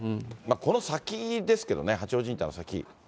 この先ですけどね、八王子インターの先。